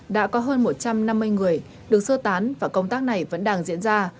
đã có hơn một trăm năm mươi người được sơ tán và công tác này vẫn đang diễn ra